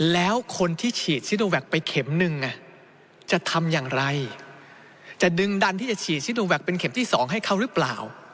แล้วคนที่ฉีดซิโนแวคไปเข็มนึงจะทำอย่างไรจะดึงดันที่จะฉีดซิโนแวคเป็นเข็มที่๒ให้เขาหรือเปล่า